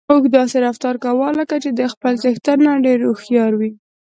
اوښ داسې رفتار کاوه لکه چې د خپل څښتن نه ډېر هوښيار وي.